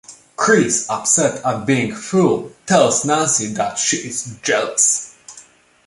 Chris, upset at being fooled, tells Nancy that she is jealous.